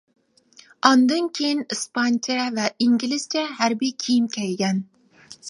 ئاندىن كېيىن ئىسپانچە ۋە ئىنگلىزچە ھەربىي كىيىم كىيگەن.